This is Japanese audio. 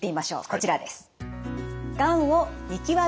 こちらです。